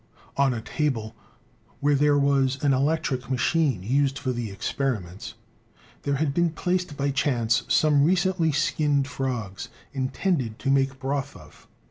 On a table, where there was an electric machine used for the experiments, there had been placed by chance some recently skinned frogs, intended to make broth of.